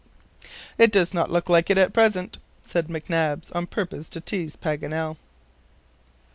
"It does not look like it at present," said McNabbs, on purpose to tease Paganel.